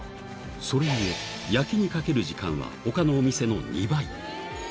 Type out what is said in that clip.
それゆえ、焼きにかける時間はほかのお店の２倍。